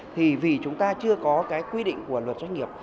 thì vì chúng ta chưa có cái quy định của luật doanh nghiệp